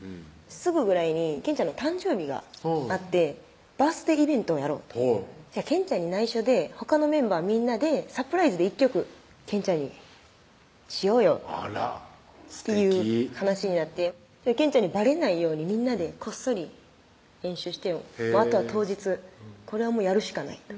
すぐぐらいにケンちゃんの誕生日があってバースデーイベントをやろうとケンちゃんにないしょでほかのメンバーみんなでサプライズで１曲ケンちゃんにしようよあらすてきっていう話になってケンちゃんにバレないようにみんなでこっそり練習してあとは当日これはやるしかない